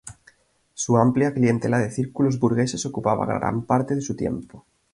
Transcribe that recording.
Su amplia clientela de círculos burgueses ocupaba gran parte de su tiempo.